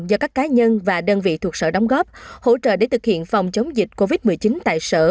do các cá nhân và đơn vị thuộc sở đóng góp hỗ trợ để thực hiện phòng chống dịch covid một mươi chín tại sở